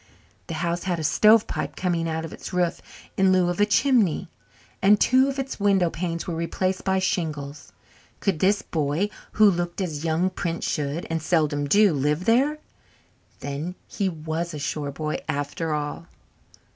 The house had a stovepipe coming out of its roof in lieu of a chimney, and two of its window panes were replaced by shingles. Could this boy, who looked as young princes should and seldom do live there? Then he was a shore boy after all.